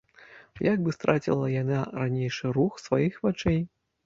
Як бы страціла яна ранейшы рух сваіх вачэй.